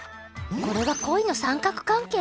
これは恋の三角関係！？